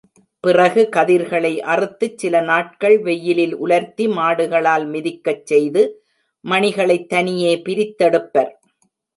பிறகு கதிர்களை அறுத்துச் சில நாட்கள் வெயிலில் உலர்த்தி மாடுகளால் மிதிக்கச் செய்து, மணிகளைத் தனியே பிரித்தெடுப்பர்.